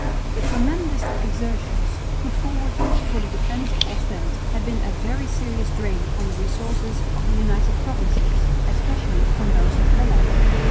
The tremendous exertions put forward for the defence of Ostend had been a very serious drain upon the resources of the United Provinces, especially upon those of Holland.